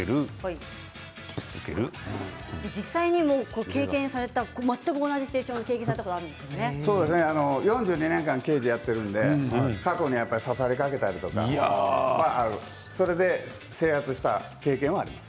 実際に経験された、全く同じ経験されたことが４２年間刑事をやっているので、過去に刺されかけたりとかそれで制圧した経験はあります。